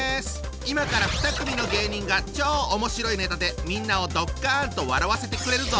今から２組の芸人が超面白いネタでみんなをドッカンと笑わせてくれるぞ！